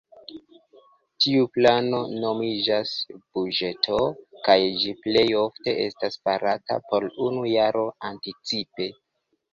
Tiu plano nomiĝas buĝeto, kaj ĝi plej ofte estas farata por unu jaro anticipe.